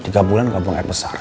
tiga bulan gak buang air besar